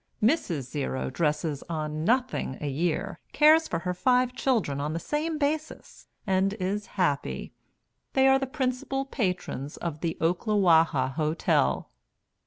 "Mrs. Zero dresses on nothing a year; cares for her five children on the same basis, and is happy. They are the principal patrons of the Oklawaha Hotel."